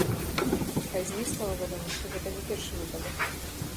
Пазней стала вядома, што гэта не першы выпадак.